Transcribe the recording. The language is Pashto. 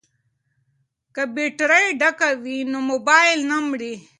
که بیټرۍ ډکه وي نو مبایل نه مري.